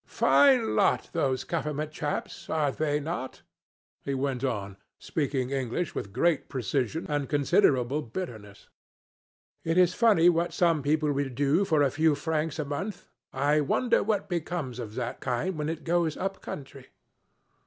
'Fine lot these government chaps are they not?' he went on, speaking English with great precision and considerable bitterness. 'It is funny what some people will do for a few francs a month. I wonder what becomes of that kind when it goes up country?'